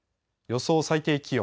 予想最低気温。